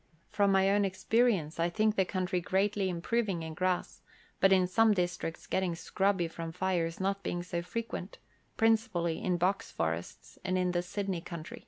From my own experience, I think the country greatly improv ing in grass, but in some districts getting scrubby from fires not being so frequent, principally in box forests and in the Sydney country.